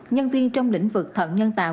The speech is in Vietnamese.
nhân viên trong lĩnh vực thận nhân tạo